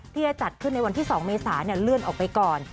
ที่จะจัดขึ้นในวันที่๒เมษาเลื่อนออกไปก่อน